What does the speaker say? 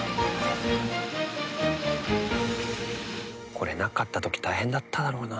これなかった時大変だっただろうな。